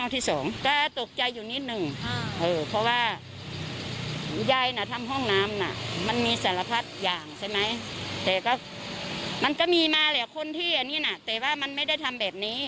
แต่ก็มันก็มีมาแหละคนที่อันนี้น่ะแต่ว่ามันไม่ได้ทำแบบนี้